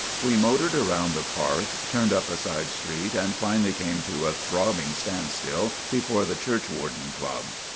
We motored around the park, turned up a side street, and finally came to a throbbing standstill before the Churchwarden Club.